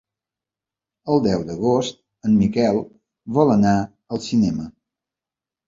El deu d'agost en Miquel vol anar al cinema.